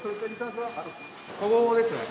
ここですね。